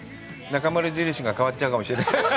なかまる印が変わっちゃうかもしれない。